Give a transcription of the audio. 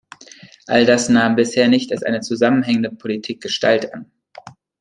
All das nahm bisher nicht als eine zusammenhängende Politik Gestalt an.